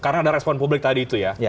karena ada respon publik tadi itu ya